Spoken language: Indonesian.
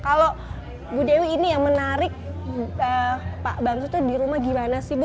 kalau bu dewi ini yang menarik pak bamsud itu di rumah gimana sih bu